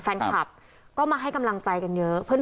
แฟนคลับก็มาให้กำลังใจกันเยอะ